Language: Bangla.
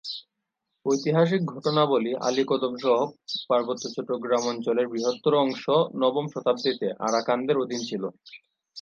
ঐতিহাসিক ঘটনাবলি আলিকদমসহ পার্বত্য চট্টগ্রাম অঞ্চলের বৃহত্তর অংশ নবম শতাব্দীতে আরাকানদের অধীন ছিল।